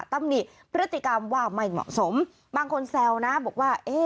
ตำหนิพฤติกรรมว่าไม่เหมาะสมบางคนแซวนะบอกว่า